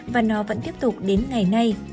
và nó vẫn tiếp tục đến ngày nay